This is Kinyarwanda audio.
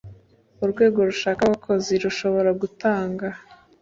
Urwego rushaka abakozi rushobora gutanga